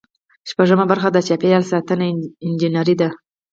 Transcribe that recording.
شپږمه برخه د چاپیریال ساتنې انجنیری ده.